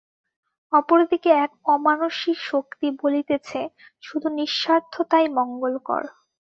অপরদিকে এক অমানুষী শক্তি বলিতেছে, শুধু নিঃস্বার্থতাই মঙ্গলকর।